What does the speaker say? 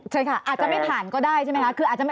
เชิญค่ะอาจจะไม่ผ่านก็ได้ใช่ไหมคะ